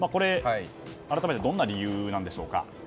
改めてどんな理由なんでしょうか？